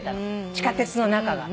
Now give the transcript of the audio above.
地下鉄の中が。